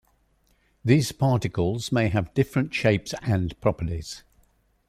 These particles may have different shapes and properties.